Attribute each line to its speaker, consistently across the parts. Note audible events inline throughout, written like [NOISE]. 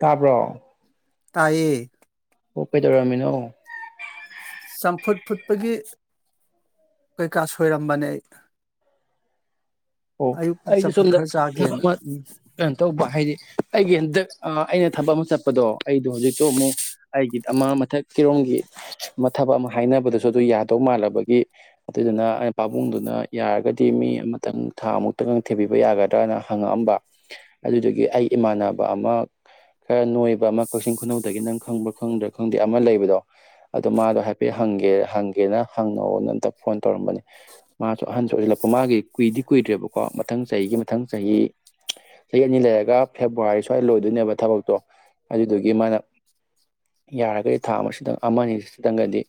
Speaker 1: ꯇꯥꯕ꯭ꯔꯣ
Speaker 2: ꯇꯥꯢꯌꯦ
Speaker 1: ꯑꯣ ꯀꯩꯗꯧꯔꯝꯃꯤꯅꯣ
Speaker 2: ꯆꯝꯐꯨꯠ ꯐꯨꯠꯄꯒꯤ ꯀꯩꯀꯥ ꯁꯣꯏꯔꯝꯕꯅꯦ ꯑꯩ
Speaker 1: ꯑꯣ
Speaker 2: ꯑꯌꯨꯛꯀꯤ
Speaker 1: ꯑꯩꯗꯣ
Speaker 2: ꯆꯝꯐꯨꯠ
Speaker 1: ꯁꯣꯝꯗ
Speaker 2: ꯈꯔ ꯆꯥꯒꯦꯅ
Speaker 1: ꯊꯕꯛꯃ
Speaker 2: ꯎꯝ
Speaker 1: ꯀꯩꯅꯣꯇꯧꯕ ꯍꯥꯏꯗꯤ ꯑꯩꯒꯤ ꯍꯟꯗꯛ ꯑ ꯑꯩꯅ ꯊꯕꯛ ꯑꯃ ꯆꯠꯄꯗꯣ ꯑꯩꯗꯣ ꯍꯧꯖꯤꯛꯇꯣ ꯑꯃꯨꯛ ꯑꯩꯒꯤ ꯑꯃꯥ ꯃꯊꯛ ꯀꯤꯔꯣꯝꯒꯤ ꯃꯊꯕꯛ ꯑꯃ ꯍꯥꯏꯅꯕꯗꯁꯨ ꯑꯗꯨ ꯌꯥꯗꯧ ꯃꯥꯜꯂꯕꯒꯤ ꯑꯗꯨꯗꯨꯅ ꯑꯩꯅ ꯄꯥꯕꯨꯡꯗꯨꯅ ꯌꯥꯔꯒꯗꯤ ꯃꯤ ꯑꯃꯇꯪ ꯊꯥ ꯑꯃꯨꯛꯇꯪ ꯊꯤꯕꯤꯕ ꯌꯥꯒꯗ꯭ꯔꯅ ꯍꯪꯉꯛꯑꯝꯕ ꯑꯗꯨꯗꯨꯒꯤ ꯑꯩ ꯏꯃꯥꯟꯅꯕ ꯑꯃ ꯈꯔ ꯅꯣꯏꯕ ꯑꯃ ꯀꯛꯆꯤꯡ ꯈꯨꯅꯧꯗꯒꯤ ꯅꯪ ꯈꯪꯕ꯭ꯔꯥ ꯈꯪꯗ꯭ꯔꯥ ꯈꯪꯗꯦ ꯑꯃ ꯂꯩꯕꯗꯣ ꯑꯗꯣ ꯃꯥꯗꯣ ꯍꯥꯏꯐꯦꯠ ꯍꯪꯒꯦ ꯍꯪꯒꯦꯅ ꯍꯪꯅꯧꯅ ꯑꯝꯇ ꯐꯣꯟ ꯇꯧꯔꯝꯕꯅꯦ ꯃꯥꯁꯨ ꯑꯍꯟꯁꯨ ꯑꯣꯏꯁꯤꯜꯂꯛꯄ ꯃꯥꯒꯤ ꯀꯨꯏꯗꯤ ꯀꯨꯏꯗ꯭ꯔꯦꯕꯀꯣ ꯃꯊꯪ ꯆꯍꯤꯒꯤ ꯃꯊꯪ ꯆꯍꯤ ꯆꯍꯤ ꯑꯅꯤ ꯂꯩꯔꯒ ꯐꯦꯕ꯭ꯋꯥꯔꯤ ꯁ꯭ꯋꯥꯏꯗ ꯂꯣꯏꯗꯨꯏꯅꯦꯕ ꯊꯕꯛꯇꯣ ꯑꯗꯨꯗꯨꯒꯤ ꯃꯥꯅ ꯌꯥꯔꯒꯗꯤ ꯊꯥ ꯑꯃꯁꯤꯗꯪ ꯑꯃꯅꯤꯁꯤꯗꯪꯒꯗꯤ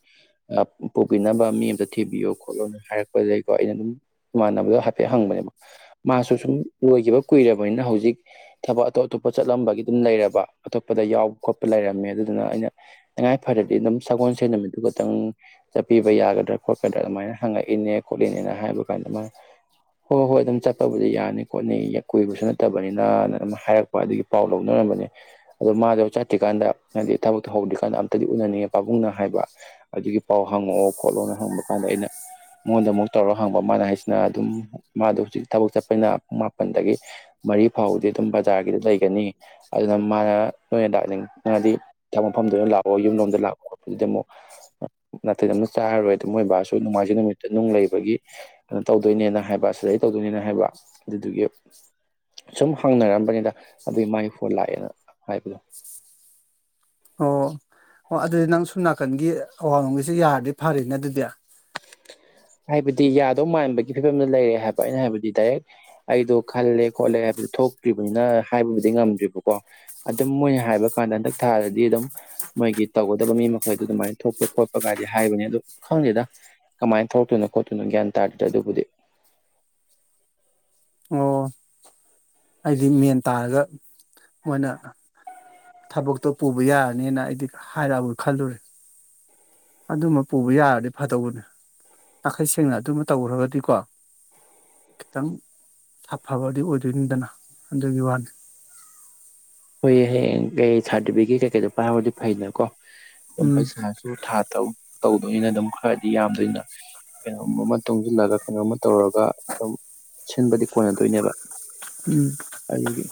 Speaker 1: ꯑ ꯄꯨꯕꯤꯅꯕ ꯃꯤ ꯑꯝꯇ ꯊꯤꯕꯤꯌꯨ ꯈꯣꯠꯂꯣꯅ ꯍꯥꯏꯔꯛꯄ ꯑꯗꯨꯗꯩꯀꯣ ꯑꯩꯅ ꯑꯗꯨꯝ ꯏꯃꯥꯟꯅꯕꯗꯣ ꯍ ꯍꯥꯏꯐꯦꯠ ꯍꯪꯕꯅꯦꯕ ꯃꯥꯁꯨ ꯁꯨꯝ ꯂꯣꯢꯈꯤꯕ ꯀꯨꯏꯔꯕꯅꯤꯅ ꯍꯧꯖꯤꯛ ꯊꯕꯛ ꯑꯇꯣꯞ ꯑꯇꯣꯞꯄ ꯆꯠꯂꯝꯕꯒꯤꯗꯨ ꯂꯩꯔꯕ ꯑꯇꯣꯞꯄꯗ ꯌꯥꯎ ꯈꯣꯠꯄ ꯂꯩꯔꯝꯃꯦ ꯑꯗꯨꯗꯨꯅ ꯑꯩꯅ ꯇꯉꯥꯏ ꯐꯔꯗꯤ ꯑꯗꯨꯝ ꯁꯒꯣꯜꯁꯦꯟ ꯅꯨꯃꯤꯠꯇꯨꯒ ꯈꯤꯇꯪ ꯆꯠꯄꯤꯕ ꯌꯥꯒꯗ꯭ꯔ ꯈꯣꯠꯀꯗ꯭ꯔ ꯑꯗꯨꯃꯥꯏꯅ ꯍꯪꯉꯛꯏꯅꯦ ꯈꯣꯠꯂꯤꯅꯦꯅ ꯍꯥꯏꯕ ꯀꯥꯟꯗ ꯃꯥ ꯍꯣꯏ ꯍꯣꯏ ꯑꯗꯨꯝ ꯆꯠꯄꯕꯨꯗꯤ ꯌꯥꯅꯤ ꯈꯣꯠꯅꯤ ꯀꯨꯏꯕꯁꯨ ꯅꯠꯇꯕꯅꯤꯅ ꯅ ꯑꯗꯨꯝ ꯍꯥꯏꯔꯛꯄ ꯑꯗꯨꯒꯤ ꯄꯥꯎ ꯂꯧꯅꯔꯝꯕ ꯑꯗꯣ ꯃꯥꯗꯣ ꯆꯠꯇ꯭ꯔꯤꯀꯥꯟꯗ ꯍꯥꯏꯗꯤ ꯊꯕꯛꯇꯣ ꯍꯧꯗ꯭ꯔꯤꯀꯥꯟꯗ ꯑꯝꯇꯗꯤ ꯎꯅꯅꯤꯡꯉꯦ ꯄꯥꯕꯨꯡꯅ ꯍꯥꯏꯕ ꯑꯗꯨꯒꯤ ꯄꯥꯎ ꯍꯪꯉꯛꯑꯣ ꯈꯣꯠꯂꯣꯅ ꯍꯪꯕ ꯀꯥꯟꯗ ꯑꯩꯅ ꯃꯉꯣꯟꯗ ꯑꯃꯨꯛ ꯇꯧꯔ ꯍꯪꯕ ꯃꯥꯅ ꯍꯥꯏꯁꯤꯅ ꯑꯗꯨꯝ ꯃꯥꯗꯣ ꯍꯨꯖꯤꯛ ꯊꯕꯛ ꯆꯠꯄꯅ ꯄꯨꯡ ꯃꯥꯄꯟꯗꯒꯤ ꯃꯔꯤ ꯐꯥꯎꯗꯤ ꯑꯗꯨꯝ ꯕꯖꯥꯔꯒꯤꯗ ꯂꯩꯒꯅꯤ ꯑ ꯑꯗꯨꯅ ꯃꯥꯅ ꯅꯣꯏꯅ ꯂꯥꯛꯅꯤꯡꯉꯗꯤ ꯊꯛ ꯃꯐꯝꯗ ꯂꯥꯛꯑꯣ ꯌꯨꯝ ꯂꯣꯝꯗ ꯂꯥꯛꯄ ꯈꯣꯠꯄꯗꯨꯗꯤ ꯑꯃꯨꯛ ꯅꯥꯇꯩꯗ ꯑꯃ ꯆꯥꯔꯔꯣꯏ ꯑꯗꯨ ꯃꯣꯏꯕꯥꯁꯨ ꯅꯨꯡꯉꯥꯏꯖꯤꯡ ꯅꯨꯃꯤꯠꯇ ꯅꯨꯡ ꯂꯩꯕꯒꯤ ꯀꯩꯅꯣ ꯇꯧꯗꯣꯏꯅꯦꯅ ꯍꯥꯏꯕꯁ ꯂꯩꯔꯤꯛꯇꯧꯗꯣꯏꯅꯤꯅ ꯍꯥꯏꯕ ꯑꯗꯨꯗꯨꯒꯤ ꯁꯨꯝ ꯍꯪꯅꯔꯝꯕꯅꯦꯗ ꯑꯗꯨꯏ ꯃꯥꯏ ꯐꯣꯟ ꯂꯥꯛꯑꯦꯅ ꯍꯥꯏꯕꯗꯣ
Speaker 2: ꯑꯣ ꯑꯣ ꯑꯗꯨꯗꯤ ꯅꯪ ꯁꯣꯝ ꯅꯥꯀꯟꯒꯤ ꯑꯋꯥꯡ ꯂꯨꯡꯒꯤꯁꯤ ꯌꯥꯔꯗꯤ ꯐꯔꯤꯅꯦ ꯑꯗꯨꯗꯤ
Speaker 1: ꯍꯥꯏꯕꯗꯤ ꯌꯥꯗꯧ ꯃꯥꯟꯕꯒꯤ ꯐꯤꯕꯝꯗ ꯂꯩꯔꯦ ꯍꯥꯏꯕ ꯑꯩꯅ ꯍꯥꯏꯕꯗꯤ ꯗꯥꯏꯔꯦꯛ ꯑꯩꯗꯣ ꯈꯜꯂꯦ ꯈꯣꯠꯂꯦ ꯍꯥꯏꯕ ꯊꯣꯛꯇ꯭ꯔꯤꯕꯅꯤꯅ ꯍꯥꯏꯕꯕꯨꯗꯤ ꯉꯝꯗ꯭ꯔꯤꯕꯀꯣ ꯑꯗꯨꯝ ꯃꯣꯏꯅ ꯍꯥꯏꯕ ꯀꯥꯟꯗ ꯍꯟꯗꯛ ꯊꯥꯗꯗꯤ ꯑꯗꯨꯝ ꯃꯣꯏꯒꯤ ꯇꯧꯒꯗꯕ ꯃꯤ ꯃꯈꯩꯗꯨ ꯑꯗꯨꯃꯥꯏ ꯊꯣꯛꯄ ꯈꯣꯠꯄ ꯀꯥꯏꯗꯤ ꯍꯥꯏꯕꯅꯦ ꯑꯗꯨ ꯈꯪꯗꯦꯗ ꯀꯃꯥꯏ ꯊꯣꯛꯇꯨꯅꯣ ꯈꯣꯠꯇꯨꯅ ꯒ꯭ꯌꯥꯟ ꯇꯥꯗ꯭ꯔꯤꯗ ꯑꯗꯨꯕꯨꯗꯤ
Speaker 2: ꯑꯣ ꯑꯩꯗꯤ ꯃꯦꯟ ꯇꯥꯔꯒ ꯃꯣꯏꯅ ꯊꯕꯛꯇꯣ ꯄꯨꯕ ꯌꯥꯔꯅꯤꯅ ꯑꯩꯗꯤ ꯍꯥꯏꯔꯛꯑꯕ ꯈꯜꯂꯨꯔꯦ ꯑꯗꯨꯃ ꯄꯨꯕ ꯌꯥꯔꯗꯤ ꯐꯗꯧꯕꯅꯦ ꯅꯥꯈꯩ ꯁꯦꯡꯅ ꯑꯗꯨꯃ ꯇꯧꯈ꯭ꯔꯒꯗꯤꯀꯣ ꯈꯤꯇꯪ ꯁꯥꯐꯕꯗꯤ ꯑꯣꯏꯗꯣꯏꯅꯤꯗꯅ ꯑꯗꯨꯒꯤ ꯋꯥꯅꯦ
Speaker 1: ꯍꯣꯏꯌꯦ ꯍꯌꯦꯡ ꯀꯩ ꯁꯥꯔꯇꯤꯐꯤꯀꯦꯠ ꯀꯩꯀꯩꯗꯣ ꯄꯥꯢꯍꯧꯔꯗꯤ ꯐꯩꯗꯅꯀꯣ ꯑꯗꯨꯝ
Speaker 2: ꯎꯝ
Speaker 1: ꯄꯩꯁꯥꯁꯨ ꯊꯥ ꯇꯥꯔꯨꯛ ꯇꯧꯗꯣꯏꯅꯤꯅ ꯑꯗꯨꯝ ꯈꯔꯗꯤ ꯌꯥꯝꯗꯣꯏꯅ ꯀꯩꯅꯣꯝ ꯑꯃ ꯇꯨꯡꯁꯤꯜꯂꯒ ꯀꯩꯅꯣꯝꯃ ꯇꯧꯔꯒ ꯑꯗꯨꯝ ꯁꯤꯟꯕꯗꯤ ꯀꯣꯟꯅꯗꯣꯏꯅꯦꯕ
Speaker 2: ꯎꯝ
Speaker 1: ꯑꯩꯒꯤ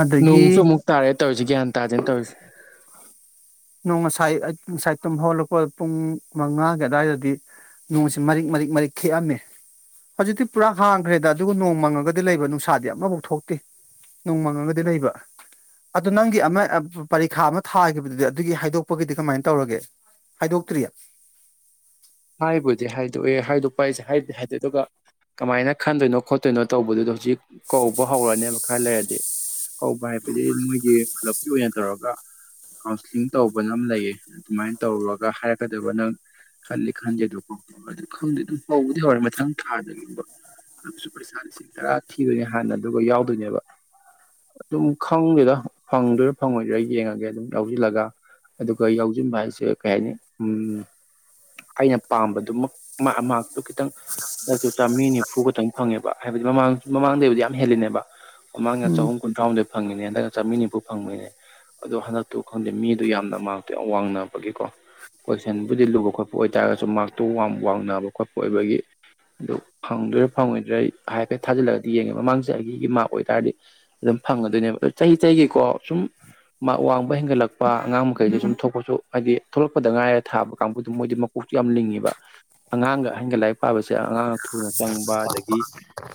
Speaker 2: ꯑꯗꯒꯤ
Speaker 1: ꯅꯣꯡꯁꯨ ꯑꯃꯨꯛ ꯇꯥꯔꯦ ꯇꯧꯔꯤꯁꯤ ꯒ꯭ꯌꯥꯟ ꯇꯥꯗꯦꯅꯦ ꯇꯧꯔꯤꯁꯤ
Speaker 2: ꯅꯣꯡ ꯉꯁꯥꯏ ꯑ ꯉꯁꯥꯏ ꯇꯨꯝ ꯍꯧꯜꯂꯛꯄ ꯄꯨꯡ ꯃꯉꯥꯒꯤ ꯑꯗꯥꯏꯗꯗꯤ ꯅꯣꯡꯁꯤ ꯃꯔꯤꯛ ꯃꯔꯤꯛ ꯃꯔꯤꯛ ꯈꯤꯛꯑꯝꯃꯦ ꯍꯧꯖꯤꯛꯇꯤ ꯄꯨꯔꯥ ꯍꯥꯡꯈ꯭ꯔꯦꯗ ꯑꯗꯨꯒ ꯅꯣꯡ ꯃꯪꯉꯒꯗꯤ ꯂꯩꯕ ꯅꯨꯡꯁꯥꯗꯤ ꯑꯃꯐꯥꯎ ꯊꯣꯛꯇꯦ ꯅꯣꯡꯃꯪꯉꯒꯗꯤ ꯂꯩꯕ ꯑꯗꯨ ꯅꯪꯒꯤ ꯑꯃ ꯄꯔꯤꯈꯥ ꯑꯃ ꯊꯥꯒꯤꯈꯤꯕꯗꯨꯗꯤ ꯑꯗꯨꯒꯤ ꯍꯥꯏꯗꯣꯛꯄꯒꯤꯗꯤ ꯀꯃꯥꯏꯅ ꯇꯧꯔꯒꯦ ꯍꯥꯏꯗꯣꯛꯇ꯭ꯔꯤ
Speaker 1: ꯍꯥꯏꯕꯨꯗꯤ ꯍꯥꯏꯗꯣꯛꯑꯦ ꯍꯥꯏꯗꯣꯛꯄ ꯍꯥꯏꯁꯦ ꯍꯥꯏ ꯍꯥꯏꯗꯤ ꯑꯗꯨꯒ ꯀꯃꯥꯏꯅ ꯈꯟꯗꯣꯏꯅꯣ ꯈꯣꯠꯇꯣꯏꯅꯣ ꯇꯧꯕꯗꯨꯗꯣ ꯍꯧꯖꯤꯛ ꯀꯧꯕ ꯍꯧꯔꯅꯦꯕ ꯈꯔ ꯂꯩꯔꯗꯤ ꯀꯧꯕ ꯍꯥꯏꯕꯗꯤ ꯃꯣꯏꯒꯤ ꯄꯨꯂꯞꯀꯤ ꯑꯣꯏꯅ ꯇꯧꯔꯒ ꯀꯥꯎꯟꯁꯂꯤꯡ ꯇꯧꯕꯅ ꯂꯩꯌꯦ ꯑꯗꯨꯃꯥꯏꯅ ꯇꯧꯔꯨꯔꯒ ꯍꯥꯏꯔꯛꯀꯗꯕ ꯅꯪ ꯈꯜꯂꯤ ꯈꯪꯗꯦꯗꯣ ꯑꯗꯨ ꯈꯪꯗꯦ ꯑꯗꯨ ꯍꯧꯕꯗꯤ ꯍꯧꯔꯦ ꯃꯊꯪ ꯊꯥꯗꯒꯤꯕ ꯑꯗꯨ ꯄꯩꯁꯥ ꯂꯤꯁꯤꯡ ꯇꯔꯥ ꯊꯤꯗꯣꯏꯅꯦ ꯍꯥꯟꯅ ꯑꯗꯨꯒ ꯌꯥꯎꯗꯣꯏꯅꯦꯕ ꯑꯗꯨꯝ ꯈꯪꯗꯦꯗ ꯐꯪꯗꯣꯏꯔꯥ ꯐꯪꯉꯣꯏꯗꯣꯏꯔꯥ ꯌꯦꯡꯉꯒꯦ ꯑꯗꯨꯝ ꯌꯥꯎꯖꯤꯜꯂꯒ ꯑꯗꯨꯒ ꯌꯥꯎꯖꯤꯟꯕ ꯍꯥꯏꯁꯦ ꯀꯩ ꯍꯥꯏꯅꯤ ꯎꯝ ꯑꯩꯅ ꯄꯥꯝꯕꯗꯨꯃꯛ ꯃ ꯃꯥꯛꯇꯨ ꯈꯤꯇꯪ ꯗꯛꯁꯨ ꯆꯥꯝꯃ꯭ꯔꯤ ꯅꯤꯐꯨ ꯈꯇꯪ ꯐꯪꯉꯦꯕ ꯍꯥꯏꯕꯗꯤ ꯃꯃꯥꯡ ꯃꯃꯥꯡꯗꯩꯕꯨꯗꯤ ꯌꯥꯝ ꯍꯦꯜꯂꯤꯅꯦꯕ ꯃꯃꯥꯡꯅ
Speaker 2: ꯎꯝ
Speaker 1: ꯆꯍꯨꯝ ꯀꯨꯟꯊ꯭ꯔꯥꯍꯨꯝꯗꯣꯏ ꯐꯪꯉꯤꯅꯦ ꯍꯟꯗꯛꯅ ꯆꯥꯃꯔꯤ ꯅꯤꯐꯨ ꯐꯪꯕꯩꯅꯦ ꯑꯗꯣ ꯍꯟꯗꯛꯇꯨ ꯈꯪꯗꯦ ꯃꯤꯗꯨ ꯌꯥꯝꯅ ꯃꯥꯛꯇ ꯌꯥꯝ ꯋꯥꯡꯅꯕꯒꯤꯀꯣ ꯀꯣꯏꯁꯟꯕꯨꯗꯤ ꯂꯨꯕ ꯈꯣꯠꯄ ꯑꯣꯏꯇꯥꯔꯒꯁꯨ ꯃꯥꯔꯛꯇꯨ ꯋꯥꯡꯅꯕ ꯈꯣꯠꯄ ꯑꯣꯏꯕꯒꯤ ꯑꯗꯨ ꯐꯪꯗꯣꯏꯔꯥ ꯐꯪꯉꯣꯏꯗ꯭ꯔꯥ ꯑꯩ ꯍꯥꯏꯐꯦꯠ ꯊꯥꯖꯤꯜꯂꯒꯗꯤ ꯌꯦꯡꯉꯦ ꯃꯃꯥꯡꯁꯦ ꯑꯩꯒꯤ ꯃꯥꯔꯛ ꯑꯣꯏꯇꯥꯔꯗꯤ ꯑꯗꯨꯝ ꯐꯪꯉꯗꯣꯏꯅꯦꯕ ꯑ ꯆꯍꯤ ꯆꯍꯤꯒꯤꯀꯣ ꯁꯨꯝ ꯃꯥꯛ ꯋꯥꯡꯕ ꯍꯦꯟꯒꯠꯂꯛꯄ ꯑꯉꯥꯡ ꯃꯈꯩꯗ ꯁꯨꯝ ꯊꯣꯛꯄꯁꯨ ꯍꯥꯏꯗꯤ ꯊꯣꯛꯂꯛꯄꯗ ꯉꯥꯏꯔ ꯊꯥꯕ ꯀꯥꯡꯕꯨꯗꯨ ꯃꯣꯏꯗꯤ ꯀꯣꯛꯁꯨ ꯌꯥꯝ ꯂꯤꯡꯉꯤꯕ ꯑꯉꯥꯡꯒ ꯑꯍꯟꯒ ꯂꯥꯏꯔꯤꯛ ꯄꯥꯕꯁꯦ ꯑꯉꯥꯡ ꯊꯨꯅ ꯆꯪꯕ ꯑꯗꯒꯤ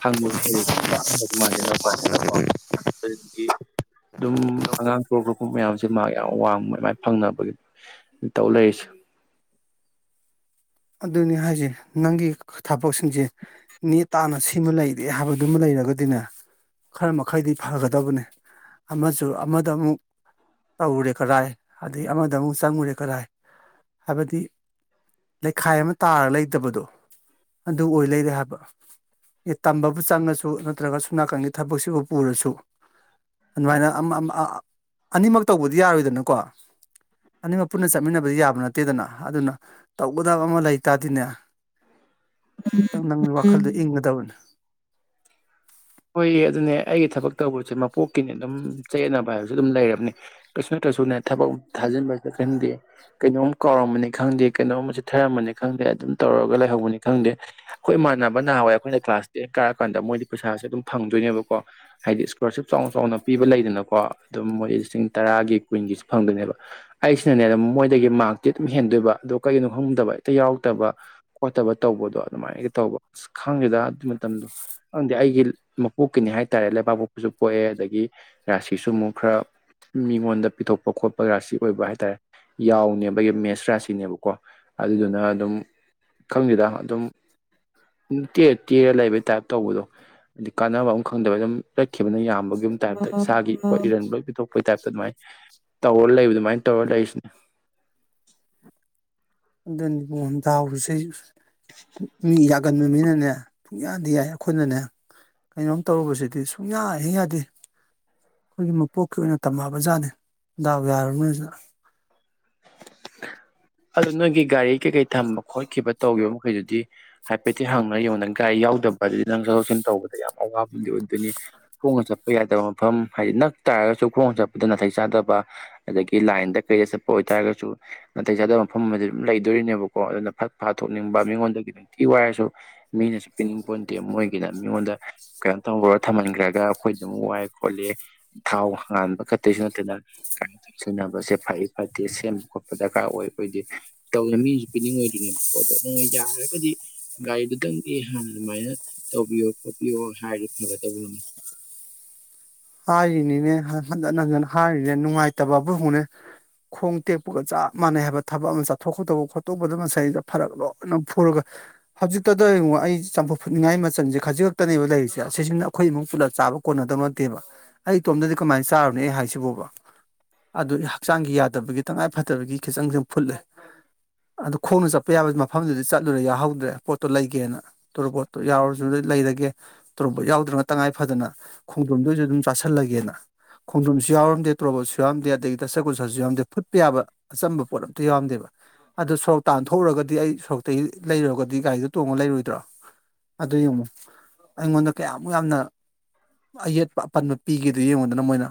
Speaker 1: ꯈꯪꯕꯁꯨ ꯍꯦꯂꯤꯅꯀꯣ ꯑꯍꯟꯒꯁꯨ ꯃꯥꯟꯗꯦꯅꯀꯣ ꯑꯗꯨꯗꯒꯤ ꯑꯗꯨꯝ ꯑꯉꯥꯡ ꯁꯣꯔꯛꯄ ꯃꯌꯥꯝꯁꯦ ꯃꯥ ꯌꯥꯝ ꯋꯥꯡꯕꯃꯥꯏ ꯐꯪꯅꯕꯒꯤ ꯇꯧ ꯂꯩꯔꯤꯁꯦ
Speaker 2: [INAUDIBLE] ꯑꯗꯨꯅꯤ ꯍꯥꯏꯁꯦ ꯅꯪꯒꯤ ꯊꯕꯛꯁꯤꯡꯁꯦ ꯅꯦ ꯇꯥꯅ ꯁꯤꯃ ꯂꯩꯔꯦ ꯍꯥꯏꯕꯗꯨꯃ ꯂꯩꯔ ꯒꯗꯤꯅꯦ ꯈꯔ ꯃꯈꯩꯗꯤ ꯐꯒꯗꯕꯅꯦ ꯑꯃꯖꯨ ꯑꯃꯗ ꯑꯃꯨꯛ ꯇꯧꯔꯨꯔꯦ ꯀꯔꯥꯏ ꯑꯗꯩ ꯑꯃꯗ ꯑꯃꯨꯛ ꯆꯪꯉꯨꯔꯦ ꯀꯔꯥꯏ ꯍꯥꯏꯕꯗꯤ ꯂꯩꯈꯥꯏ ꯑꯃ ꯇꯥꯔ ꯂꯩꯇꯕꯗꯣ ꯑꯗꯨ ꯑꯣꯏ ꯂꯩꯔꯦ ꯍꯥꯏꯕ ꯇꯝꯕꯕꯨ ꯆꯪꯉꯁꯨ ꯅꯠꯇ꯭ꯔꯒ ꯁꯣꯝ ꯅꯥꯀꯟꯒꯤ ꯊꯕꯛꯁꯤꯕꯨ ꯄꯨꯔꯁꯨ ꯑꯗꯨ ꯃꯥꯏꯅ ꯑꯅꯤꯃꯛ ꯇꯧꯕꯗꯤ ꯌꯥꯔꯣꯏꯗꯅꯀꯣ ꯑꯅꯤꯃꯛ ꯄꯨꯟꯅ ꯆꯠꯃꯤꯟꯅꯕꯗꯤ ꯌꯥꯕ ꯅꯠꯇꯦꯗꯅ ꯑꯗꯨꯅ ꯇꯧꯒꯗꯕ ꯑꯃ ꯂꯩꯇꯥꯗꯤꯅꯦ ꯈꯤꯇꯪ ꯅꯪꯒꯤ ꯋꯥꯈꯜꯗꯣ ꯏꯪꯒꯗꯕꯅꯤ
Speaker 1: ꯍꯣꯏꯌꯦ ꯑꯗꯨꯅꯦ ꯑꯩꯒꯤ ꯊꯕꯛ ꯇꯧꯕꯁꯦ ꯃꯄꯣꯛꯀꯤꯅꯦ ꯑꯗꯨꯝ ꯆꯌꯦꯠꯅꯕ ꯍꯥꯏꯕꯁꯦ ꯑꯗꯨꯝ ꯂꯩꯔꯕꯅꯦ ꯀꯩꯁꯨ ꯗꯁꯨꯅꯦ ꯊꯕꯛ ꯊꯥꯖꯤꯟꯕꯁꯨ ꯈꯟꯗꯦ ꯀꯩꯅꯣꯝ ꯀꯥꯎꯔꯝꯕꯅꯤ ꯈꯪꯗꯦ ꯀꯩꯅꯣꯝ ꯆꯤꯊꯔꯝꯕꯅꯤ ꯈꯪꯗꯦ ꯑꯗꯨꯝ ꯇꯧꯔꯒ ꯂꯩꯍꯧꯕꯅꯤ ꯈꯪꯗꯦ ꯑꯩꯈꯣꯏ ꯃꯃꯥꯟꯅꯕꯅ ꯅꯍꯟ ꯋꯥꯢ ꯑꯩꯈꯣꯏꯅ ꯀ꯭ꯂꯥꯁ ꯇꯦꯟ ꯀꯥꯔꯛꯀꯥꯟꯗ ꯃꯣꯏꯗꯤ ꯄꯩꯁꯥꯁꯦ ꯑꯗꯨꯝ ꯐꯪꯗꯣꯏꯅꯦꯕꯀꯣ ꯍꯥꯏꯗꯤ ꯏꯁꯀꯣꯂꯥꯔꯁꯤꯞ ꯆꯥꯎꯅ ꯆꯥꯎꯅ ꯄꯤꯕ ꯂꯩꯗꯅꯀꯣ ꯑꯗꯨꯝ ꯃꯣꯏ ꯂꯤꯁꯤꯡ ꯇꯔꯥꯒꯤ ꯀꯨꯟ ꯐꯪꯗꯣꯏꯅꯦꯕ ꯑꯩꯁꯤꯅꯅꯦ ꯃꯣꯏꯗꯒꯤ ꯃꯥꯔꯛꯇꯤ ꯑꯗꯨꯝ ꯍꯦꯟꯗꯣꯏꯕ ꯑꯣ ꯀꯩꯒꯤꯅꯣ ꯈꯪꯗꯕ ꯍꯦꯛꯇ ꯌꯥꯎꯔꯛꯇꯕ ꯈꯣꯠꯇꯕ ꯇꯧꯕꯗꯣ ꯑꯗꯨꯃꯥꯏꯅꯒ ꯇꯧꯕ ꯑꯁ ꯈꯪꯗꯦꯗ ꯑꯗꯨ ꯃꯇꯝꯗꯣ ꯈꯪꯗꯦ ꯑꯩꯒꯤ ꯃꯄꯣꯛꯀꯅꯤ ꯍꯥꯏꯇꯥꯔꯦ ꯂꯩꯕꯥꯛꯄꯣꯛꯄꯁꯨ ꯄꯣꯛꯑꯦ ꯑꯗꯒꯤ ꯔꯥꯁꯤꯁꯨ ꯑꯃꯨꯛ ꯈꯔ ꯃꯤꯉꯣꯟꯗ ꯄꯤꯊꯣꯛꯄ ꯈꯣꯠꯄ ꯔꯥꯁꯤ ꯑꯣꯏꯕ ꯍꯥꯏꯇꯥꯔꯦ ꯌꯥꯎꯅꯦꯕꯒꯤ ꯃꯦꯁ ꯔꯥꯁꯤꯅꯦꯕꯀꯣ ꯑꯗꯨꯗꯨꯅ ꯑꯗꯨꯝ ꯈꯪꯗꯦꯗ ꯑꯗꯨꯝ ꯇꯦꯛ ꯇꯦꯛ ꯂꯩꯕꯩ ꯇꯥꯏꯞ ꯇꯧꯕꯗꯣ ꯍꯥꯏꯗꯤ ꯀꯥꯟꯅꯕ ꯑꯃ ꯈꯪꯗꯕꯩ ꯑꯗꯨꯝ ꯂꯩꯠꯈꯤꯕꯅ ꯌꯥꯝꯕꯒꯤ ꯇꯥꯏꯞꯇ ꯏꯁꯥꯒꯤ ꯑꯩꯈꯣꯏ ꯏꯔꯟ ꯂꯣꯏ ꯄꯤꯊꯣꯛꯄꯩ ꯇꯥꯏꯞꯇ ꯑꯗꯨꯃꯥꯏꯅ ꯇꯧꯔ ꯂꯩꯕ ꯑꯗꯨꯃꯥꯏꯅ ꯇꯧꯔ ꯂꯩꯔꯤꯁꯤꯅꯦ
Speaker 2: ꯑꯗꯨꯅꯤ ꯗꯥꯎꯁꯨ ꯃꯤ ꯌꯥꯒꯟꯕ ꯃꯤꯅꯅꯦ ꯄꯨꯡꯌꯥ ꯌꯥꯏ ꯑꯩꯈꯣꯏꯅꯅꯦ ꯀꯩꯅꯣꯝ ꯇꯧꯔꯨꯕꯁꯤꯗꯤ ꯁꯨꯡꯌꯥ ꯍꯦꯛ ꯌꯥꯗꯦ ꯑꯩꯈꯣꯏꯒꯤ ꯃꯄꯣꯛꯀꯤ ꯑꯣꯏꯅ ꯇꯝꯃꯛ ꯑꯕ ꯖꯥꯠꯅꯤ ꯗꯥꯎ ꯌꯥꯔꯅꯣꯅ
Speaker 1: [UNINTELLIGIBLE] ꯑꯗꯨꯗꯣ ꯅꯣꯏꯒꯤ ꯒꯥꯔꯤ ꯀꯩꯀꯩ ꯊꯝꯕ ꯈꯣꯠꯈꯤꯕ ꯇꯧꯈꯤꯕ ꯃꯈꯩꯗꯨꯗꯤ ꯍꯥꯏꯐꯦꯠꯇ ꯍꯪꯉꯥ ꯌꯦꯡꯉꯣꯅ ꯒꯥꯔꯤ ꯌꯥꯎꯗꯕ ꯕꯖꯦ ꯆꯊꯣꯛꯁꯤꯟ ꯇꯧꯕꯗ ꯌꯥꯝ ꯑꯋꯥꯕꯗꯤ ꯑꯣꯏꯗꯣꯢꯅꯤ ꯈꯣꯡꯅ ꯆꯠꯄ ꯌꯥꯗꯕ ꯃꯐꯝ ꯍꯥꯏꯗꯤ ꯅꯛ ꯇꯥꯔꯒꯁꯨ ꯈꯣꯡꯅ ꯆꯠꯄꯗ ꯅꯥꯇꯩ ꯆꯥꯗꯕ ꯑꯗꯒꯤ ꯂꯥꯏꯟꯗ ꯀꯩꯗ ꯆꯠꯄ ꯑꯣꯏꯇꯥꯔꯒꯁꯨ ꯅꯥꯇꯩ ꯆꯥꯗꯕ ꯃꯐꯝ ꯑꯃꯗꯤ ꯑꯗꯨꯝ ꯂꯩꯗꯣꯔꯤꯅꯦꯕꯀꯣ ꯑꯗꯨꯅ ꯐꯠ ꯐꯊꯣꯛꯅꯤꯡꯕ ꯃꯤꯉꯣꯟꯗꯉꯤ ꯅꯨꯡꯇꯤ ꯋꯥꯢꯔꯁꯨ ꯃꯤꯅꯁꯨ ꯄꯤꯅꯤꯡ ꯄꯣꯟꯇꯦ ꯃꯣꯏꯒꯤꯅ ꯃꯤꯉꯣꯟꯗ ꯀꯩꯅꯣ ꯇꯧꯈ꯭ꯔꯒ ꯊꯝꯍꯟꯈ꯭ꯔꯒ ꯑꯩꯈꯣꯏꯗ ꯑꯃꯨꯛ ꯋꯥꯏ ꯈꯣꯠꯂꯤ ꯊꯥꯎ ꯍꯥꯟꯕ ꯀꯛꯇꯁꯨ ꯅꯠꯇꯅ ꯀꯥꯏ ꯊ ꯁꯤꯟꯅꯕꯁꯦ ꯐꯩ ꯐꯠꯇꯦ ꯁꯦꯝꯕ ꯈꯣꯠꯄ ꯗꯔꯀꯥꯔ ꯑꯣꯏ ꯑꯩꯈꯣꯏꯗꯤ ꯇꯧꯗ ꯃꯤꯁꯨ ꯄꯤꯅꯤꯡꯉꯣꯢ ꯑꯣꯏꯗꯣꯏꯅꯦꯕ ꯀꯣ ꯌꯥꯔꯒꯗꯤ ꯒꯥꯔꯤꯗꯨ ꯇꯪꯗꯤ ꯍꯥꯟꯅ ꯑꯗꯨꯃꯥꯏꯅ ꯇꯧꯕꯤꯌꯣ ꯈꯣꯠꯄꯤꯌꯣ ꯍꯥꯏꯔ ꯐꯒꯗꯧꯕꯅꯤ
Speaker 2: ꯍꯥꯏꯔꯤꯅꯤꯅꯦ ꯍꯟꯖꯤꯟ ꯍꯟꯖꯤꯟ ꯍꯥꯏꯔꯤꯅꯦ ꯅꯨꯡꯉꯥꯏꯇꯕꯕꯨꯅꯦ ꯈꯣꯡ ꯇꯦꯛꯄꯒ ꯆꯞ ꯃꯥꯟꯅꯩ ꯍꯥꯏꯕ ꯊꯕꯛ ꯑꯃ ꯆꯥꯊꯣꯛ ꯈꯣꯠꯇꯧꯕ ꯈꯣꯠꯇꯧꯕꯗ ꯉꯁꯥꯏꯗ ꯐꯔꯛ ꯂꯣꯏꯅꯃꯛ ꯐꯨꯔꯒ ꯍꯧꯖꯤꯛꯇ ꯌꯦꯡꯉꯣ ꯑꯩ ꯆꯝꯐꯨ ꯐꯨꯠꯅꯤꯡꯉꯥꯏ ꯃꯆꯥꯟ ꯈꯖꯤꯛ ꯈꯛꯇꯅꯦꯕ ꯂꯩꯔꯤꯁꯦ ꯑꯁꯤꯁꯤꯅ ꯑꯩꯈꯣꯏ ꯏ ꯑꯃꯨꯛ ꯄꯨꯂꯞ ꯆꯥꯕ ꯀꯣꯟꯅꯗꯕ ꯅꯠꯇꯦꯕ ꯑꯩ ꯏꯇꯣꯝꯗꯗꯤ ꯀꯃꯥꯏꯅ ꯆꯥꯔꯨꯅꯦ ꯑꯩ ꯍꯥꯏꯁꯤꯕꯨꯕ ꯑꯗꯨ ꯍꯛꯆꯥꯡꯒꯤ ꯌꯥꯗꯕꯒꯤ ꯇꯉꯥꯏ ꯐꯗꯕꯒꯤ ꯈꯤꯆꯪꯁ ꯐꯨꯠꯂꯦ ꯑꯗꯨ ꯈꯣꯡꯅ ꯆꯠꯄ ꯌꯥꯕ ꯃꯐꯝꯗꯨꯗꯤ ꯆꯠꯂꯨꯔꯦ ꯌꯥꯎꯍꯧꯗ꯭ꯔꯦ ꯄꯣꯠꯇꯣ ꯂꯩꯒꯦꯅ ꯇꯣꯔꯣꯕꯣꯠꯇꯣ ꯌꯥꯎꯔꯖꯨ ꯂꯩꯔꯒꯦ ꯇꯣꯔꯣꯄꯣꯠ ꯌꯥꯎꯗ꯭ꯔꯅ ꯇꯉꯥꯏ ꯐꯗꯅ ꯈꯣꯡꯗꯔꯨꯝꯗꯣꯑꯣꯢꯁꯨ ꯑꯗꯨꯝ ꯆꯥꯥꯁꯜꯂꯒꯦꯅ ꯈꯣꯡꯗꯔꯣꯝꯁꯨ ꯌꯥꯎꯔꯝꯗꯦ ꯇꯣꯔꯣꯠꯁꯨ ꯌꯥꯎꯔꯝꯗꯦ ꯑꯗꯒꯤꯗꯤ ꯗꯁꯥꯀꯨꯁꯥꯁꯨ ꯌꯥꯎꯔꯝꯗꯦ ꯐꯨꯠꯄ ꯌꯥꯕ ꯑꯆꯝꯕ ꯄꯣꯠ ꯑꯝꯇ ꯌꯥꯎꯔꯝꯗꯦꯕ ꯑꯗꯨꯗ ꯁꯣꯔꯣꯛ ꯇꯥꯟꯊꯣꯛꯎꯔꯒꯗꯤ ꯑꯩ ꯁꯣꯔꯣꯛꯇꯒꯤ ꯂꯩꯔꯨꯔꯒꯗꯤ ꯒꯥꯔꯤꯗꯨꯣ ꯇꯣꯡꯉ ꯂꯩꯔꯣꯏꯗ꯭ꯔꯣ ꯑꯗꯨ ꯌꯦꯡꯉꯣ ꯑꯩꯉꯣꯟꯗ ꯀꯌꯥꯃꯨꯛ ꯌꯥꯝꯅ ꯑꯌꯦꯠꯄ ꯑꯄꯟꯕ ꯄꯤꯒꯦꯗꯨ ꯌꯦꯡꯉꯨꯗꯅ ꯃꯣꯏꯅ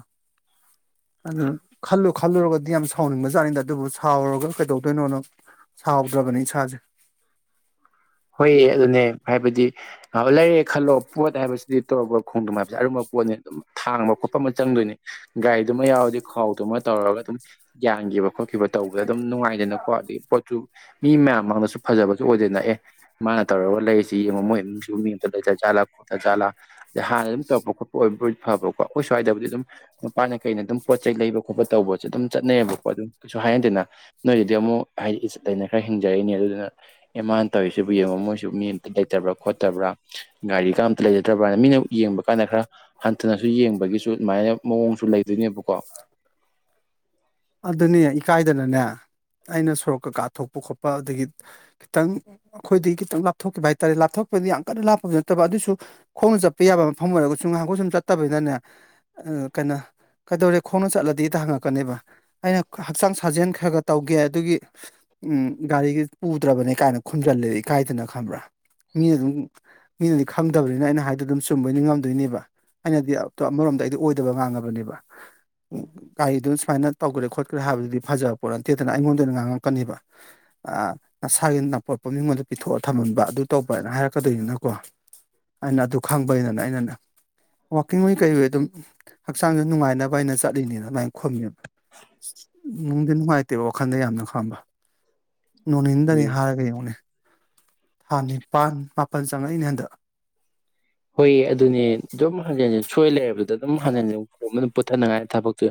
Speaker 2: ꯑꯗꯨ ꯈꯜꯂꯨ ꯈꯜꯂꯨꯔꯒꯗꯤ ꯌꯥꯝ ꯁꯥꯎꯅꯤꯡꯕ ꯖꯠꯅꯤꯗ ꯑꯗꯨꯕꯨ ꯁꯥꯎꯔꯨꯔꯒ ꯀꯩꯗꯧꯗꯣꯏꯅꯣꯅ ꯁꯥꯎꯗ꯭ꯔꯕꯅꯤ ꯢꯁꯥꯁꯦ
Speaker 1: ꯍꯣꯏꯑ ꯑꯗꯨꯅꯦ ꯍꯥꯏꯕꯗꯤ ꯂꯩꯔꯦ ꯈꯜꯂꯣ ꯄꯣꯠ ꯍꯥꯏꯕꯁꯤꯗꯤ ꯇꯣꯔꯣꯕꯣꯠ ꯈꯣꯡꯗꯔꯣꯝ ꯍꯥꯏꯕꯁꯤ ꯑꯔꯨꯝꯕ ꯄꯣꯠ ꯈꯄ ꯑꯗꯨꯝ ꯊꯥꯡꯕ ꯈꯣꯠꯄ ꯑꯃ ꯆꯪꯗꯣꯏꯅꯦ ꯒꯥꯔꯤꯗꯨꯃ ꯌꯥꯎꯔꯗꯤ ꯈꯥꯎꯗꯨꯃ ꯇꯧꯔꯒ ꯑꯗꯨꯝ ꯌꯥꯟꯒꯤꯕ ꯈꯣꯠꯈꯤꯕ ꯇꯧꯕꯗ ꯑꯗꯨꯝ ꯅꯨꯡꯉꯥꯏꯗꯅꯀꯣ ꯑꯗꯒꯤ ꯄꯣꯠꯁꯨ ꯃꯤ ꯃꯌꯥꯝꯃꯛꯗꯁꯨ ꯐꯖꯕ ꯑꯣꯏꯗꯅ ꯑꯦ ꯃꯥꯅ ꯇꯧꯔꯒ ꯂꯩꯔꯤꯁꯤ ꯌꯦꯡꯉꯣ ꯃꯣꯏ ꯏꯤꯃꯨꯡꯁꯤꯕꯨ ꯃꯤ ꯑꯃꯇ ꯂꯩꯇ ꯆꯥꯠꯂꯥ ꯈꯣꯠꯇ ꯆꯥꯠꯂꯥ ꯑꯗꯥꯟ ꯍꯥꯟꯅ ꯑꯗꯨꯝ ꯇꯧꯔꯛꯄ ꯈꯣꯠꯄ ꯑꯣꯏꯕꯕꯨꯗꯤ ꯐꯕꯀꯣ ꯑꯩꯈꯣꯏ ꯁ꯭ꯋꯥꯏꯗꯕꯨꯗꯤ ꯑꯗꯨꯝ ꯃꯄꯥꯅ ꯀꯩꯅ ꯑꯗꯨꯝ ꯄꯣꯠ ꯆꯩ ꯂꯩꯕ ꯈꯣꯠꯄ ꯇꯧꯕꯁꯦ ꯑꯗꯨꯝ ꯑꯗꯨꯝ ꯆꯠꯅꯩꯌꯦꯕꯀꯣ ꯑꯗꯨꯝ ꯀꯩꯁꯨ ꯍꯥꯏꯟꯗꯦꯗꯅ ꯅꯣꯏꯗꯗꯤ ꯑꯃꯨꯛ ꯍꯥꯏꯗꯤ ꯏꯖꯠ ꯂꯩꯅ ꯈꯔ ꯍꯤꯡꯖꯔꯤꯅꯦ ꯑꯗꯨꯗꯨꯅ ꯑꯦꯃꯥꯅ ꯇꯧꯔꯤꯁꯤꯕꯨ ꯌꯦꯡꯕ ꯃꯣꯏꯁꯨ ꯃꯤ ꯑꯃꯇ ꯂꯩꯇꯕ꯭ꯔꯥ ꯈꯣꯠꯇꯕ꯭ꯔꯥ ꯒꯥꯔꯤꯒ ꯑꯝꯇ ꯂꯩꯖꯗꯕ꯭ꯔꯅ ꯃꯤꯅ ꯌꯦꯡꯕ ꯌꯦꯡꯕ ꯀꯥꯟꯗ ꯈꯔ ꯍꯟꯊꯅꯁꯨ ꯌꯦꯡꯕꯒꯤꯁꯨ ꯑꯗꯨꯃꯥꯏꯅ ꯃꯑꯣꯡꯁꯨ ꯂꯩꯗꯣꯏꯅꯦꯕꯀꯣ
Speaker 2: ꯑꯗꯨꯅꯦ ꯏꯀꯥꯏꯗꯅꯅꯦ ꯑꯩꯅ ꯁꯣꯔꯣꯛ ꯀꯀꯥ ꯊꯣꯛꯣꯛꯄ ꯈꯣꯠꯄ ꯑꯗꯒꯤ ꯈꯤꯇꯪ ꯑꯩꯈꯣꯏꯗꯒꯤ ꯈꯤꯇꯪ ꯂꯥꯞꯊꯣꯛꯈꯤꯕ ꯍꯥꯏꯇꯥꯔꯦ ꯂꯥꯞꯊꯣꯛ ꯄ ꯌꯥꯝ ꯀꯟꯅ ꯂꯥꯞꯄꯗꯤ ꯅꯠꯇꯕ ꯑꯗꯨꯁꯨ ꯈꯣꯡꯅ ꯆꯠꯄ ꯌꯥꯕ ꯃꯐꯝ ꯑꯣꯏꯔꯒꯁꯨ ꯉꯥꯏꯍꯥꯛꯈꯣ ꯁꯨꯝ ꯆꯠꯇꯕꯅꯤꯅꯅꯦ ꯀꯩꯅꯣ ꯀꯩꯗꯧꯔꯦ ꯈꯣꯡꯅ ꯆꯠꯂꯗꯤ ꯍꯦꯛꯇꯥ ꯍꯪꯉꯛꯀꯅꯦꯕ ꯑꯩꯅ ꯍꯛꯆꯥꯡ ꯁꯥꯖꯦꯟ ꯈ꯭ꯔ ꯈ꯭ꯔ ꯇꯧꯒꯦ ꯑꯗꯨꯒꯤ ꯎ ꯒꯥꯔꯤꯒ ꯄꯨꯗ꯭ꯔꯕꯅꯦ ꯀꯥꯏꯅ ꯈꯨꯝꯖꯜ ꯗꯩ ꯏꯀꯥꯏꯗꯅ ꯈꯪꯕ꯭ꯔꯥ ꯃꯤꯅ ꯑꯗꯨꯝ ꯃꯤꯅꯗꯤ ꯈꯪꯗꯕꯅꯤꯅ ꯑꯩꯅ ꯍꯥꯏꯗꯣ ꯑꯗꯨꯝ ꯆꯨꯝꯕꯣꯏ ꯉꯤꯡꯉꯝꯗꯣꯏꯅꯦꯕ ꯑꯩꯅꯗꯤ ꯑꯃꯔꯣꯝꯗ ꯑꯩꯗꯤ ꯑꯣꯏꯗꯕ ꯉꯥꯡꯉꯕꯅꯦꯕ ꯒꯥꯔꯤꯗꯨ ꯁꯨꯃꯥꯏꯅ ꯇꯧꯈ꯭ꯔꯦ ꯈꯣꯠꯀ꯭ꯔꯦ ꯍꯥꯏꯕꯗꯨꯗꯤ ꯐꯖꯕ ꯄꯣꯠ ꯅꯠꯇꯦꯗꯅ ꯑꯩꯉꯣꯟꯗꯅ ꯉꯥꯡꯉꯛꯀꯅꯦꯕ ꯅꯁꯥꯒꯤ ꯅꯄꯣꯠ ꯃꯤꯉꯣꯟꯗ ꯄꯤꯊꯣꯛꯑꯒ ꯊꯝꯍꯟꯕ ꯑꯗꯨ ꯇꯧꯕ ꯍꯥꯏꯅ ꯍꯥꯏꯔꯛꯀꯗꯣꯏꯅꯤꯅꯀꯣ ꯑꯩꯅ ꯑꯗꯨ ꯈꯪꯕꯩꯅꯅꯦ ꯑꯩꯅꯅꯦ ꯋꯥꯀꯤꯡꯋꯣꯏ ꯀꯩꯋꯣꯏ ꯑꯗꯨꯝ ꯍꯛꯆꯥꯡꯁꯦ ꯅꯨꯡꯉꯥꯏꯅꯕꯅ ꯆꯠꯂꯤꯅꯤ ꯑꯗꯨꯃꯥꯏꯅ ꯈꯨꯝꯃꯦ ꯅꯨꯡꯗꯤ ꯅꯨꯡꯉꯥꯏꯇꯦꯕ ꯋꯥꯈꯜꯗ ꯌꯥꯝꯅ ꯈꯪꯕ ꯅꯣꯡ ꯅꯤꯅꯤꯗꯅꯤ
Speaker 1: ꯍꯣꯏ
Speaker 2: ꯍꯥꯏꯔꯒ ꯌꯦꯡꯉꯨꯅꯦ ꯊꯥ ꯅꯤꯄꯥꯜ ꯃꯥꯄꯟ ꯆꯪꯉꯛꯏꯅꯦ ꯍꯟꯗꯛ
Speaker 1: ꯍꯣꯏ ꯑꯗꯨꯅꯦ ꯗꯨꯝ ꯍꯟꯖꯤꯟ ꯍꯟꯖꯤꯟ ꯁꯣꯏ ꯂꯩꯔꯕꯗ ꯑꯗꯨꯝ ꯍꯟꯖꯤꯟ ꯍꯟꯖꯤꯟ ꯀꯣꯝꯗ ꯄꯨꯊꯅꯉꯥꯏ ꯊꯕꯛꯇꯨ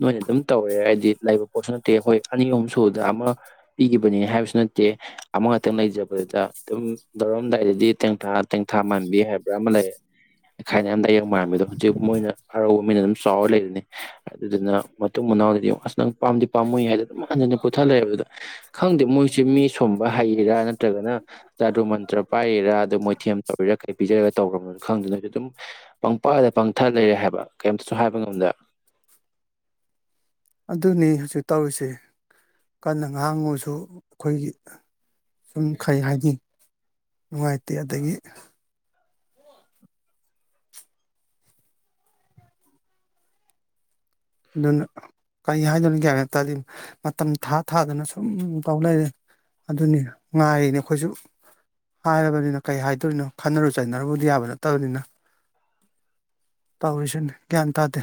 Speaker 1: ꯅꯣꯏꯅ ꯑꯗꯨꯝ ꯇꯧꯔꯦ ꯍꯥꯏꯗꯤ ꯂꯩꯕ ꯄꯣꯠꯁꯨ ꯅꯠꯇꯦ ꯑꯩꯈꯣꯏ ꯑꯅꯤ ꯑꯍꯨꯝ ꯁꯨꯕꯗ ꯑꯃ ꯄꯤꯈꯤꯕꯅꯤ ꯍꯥꯏꯕꯁꯨ ꯅꯠꯇꯦ ꯇꯦ ꯑꯃꯈꯛꯇꯪ ꯂꯩꯖꯕꯗꯨꯗ ꯑꯗꯨꯝ ꯂꯧꯔꯝꯗꯥꯏꯗꯗꯤ ꯇꯦꯡꯊꯥ ꯇꯦꯡꯊꯥ ꯃꯥꯟꯕꯤ ꯍꯥꯏꯕ ꯄꯨꯔꯥ ꯑꯃ ꯂꯩꯔꯦ ꯈꯥꯏꯅꯔꯝꯗꯥꯏ ꯌꯣꯡ ꯃꯥꯟꯕꯗꯣ ꯍꯧꯖꯤꯛ ꯃꯣꯏꯅ ꯑꯔꯧꯕ ꯃꯤꯅ ꯑꯗꯨꯝ ꯆꯥꯎꯔ ꯂꯩꯕꯅꯤ ꯑꯗꯨꯗꯨꯅ ꯃꯇꯨꯡ ꯃꯅꯥꯎꯗꯗꯤ ꯌꯦꯡꯉꯣ ꯑꯁ ꯅꯪ ꯄꯥꯝꯗꯤ ꯄꯥꯝꯃꯨꯏ ꯍꯦ ꯑꯗꯨꯝ ꯍꯟꯖꯤꯟ ꯍꯟꯖꯤꯟ ꯄꯨꯊ ꯂꯩꯔꯕꯗꯨꯗ ꯈꯪꯗꯦ ꯃꯣꯏꯁꯦ ꯃꯤ ꯁꯨꯝꯕ ꯍꯩꯔꯤꯔ ꯅꯠꯇ꯭ꯔꯒꯅ ꯆꯥꯗꯨ꯭ꯔ ꯃꯟꯇ꯭ꯔ ꯄꯥꯏꯔꯤꯔ ꯃꯣꯏꯊꯦꯝ ꯇꯧꯔꯤꯔ ꯀꯩ ꯄꯤꯖꯔꯒ ꯇꯧꯈ꯭ꯔꯕ ꯈꯪꯗꯦꯟ ꯅꯣꯏꯁꯦ ꯗꯨꯝ ꯄꯪꯄꯗ ꯄꯪꯊ ꯂꯩꯔꯦ ꯍꯥꯏꯕ ꯀꯩꯝꯇꯁꯨ ꯍꯥꯏꯕ ꯉꯝꯗꯦ
Speaker 2: [INAUDIBLE] ꯗꯨꯅꯤ ꯍꯧꯖꯤꯛ ꯇꯧꯔꯤꯁꯦ ꯀꯟꯅ ꯉꯥꯡꯉꯨꯁꯨ ꯑꯈꯣꯏꯒꯤ ꯁꯨꯝ ꯈꯩ ꯍꯥꯏꯅꯤ ꯅꯨꯡꯉꯥꯏꯇꯦ ꯑꯗꯩꯒꯤ ꯗꯨꯅ ꯀꯩ ꯍꯥꯏꯗꯣꯏꯅꯦ ꯒ꯭ꯌꯥꯟ ꯑꯝꯇꯥꯗꯦ ꯃꯇꯝ ꯊꯥ ꯊꯥꯗꯅ ꯁꯨꯝ ꯇꯧ ꯂꯩꯔꯦ ꯑꯗꯨꯅꯤ ꯉꯥꯏꯔꯤꯅꯦ ꯑꯈꯣꯏꯁꯨ ꯍꯥꯏꯔꯕꯅꯤꯅ ꯀꯩ ꯍꯥꯏꯗꯣꯏꯅꯣ ꯈꯟꯅꯔꯨ ꯆꯩꯅꯔꯨꯕꯗꯤ ꯌꯥꯕ ꯅꯠꯇꯕꯅꯤꯅ ꯇꯧꯔꯤꯁꯤꯅꯦ ꯒ꯭ꯌꯥꯟ ꯇꯥꯗꯦ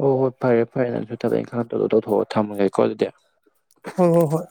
Speaker 1: ꯑꯣ ꯍꯣꯏ ꯐꯔꯦ ꯐꯔꯦ ꯅꯪ ꯊꯕꯛ ꯏꯪꯈꯥꯡ ꯇꯧꯗꯣ ꯇꯧꯊꯣꯛꯑꯣ ꯊꯝꯃꯒꯦꯀꯣ ꯑꯗꯨꯗꯤ
Speaker 2: ꯍꯣ ꯍꯣ ꯍꯣꯏ